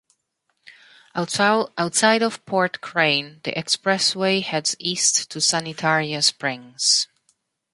Outside of Port Crane, the expressway heads east to Sanitaria Springs.